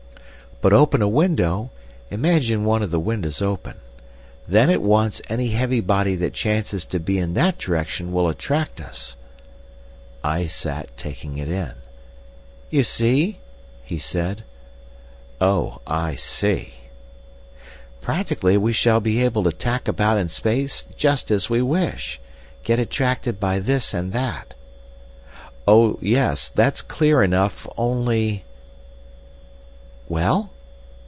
But open a window, imagine one of the windows open. Then at once any heavy body that chances to be in that direction will attract us—" I sat taking it in. "You see?" he said. "Oh, I see." "Practically we shall be able to tack about in space just as we wish. Get attracted by this and that." "Oh, yes. That's clear enough. Only—" "Well?"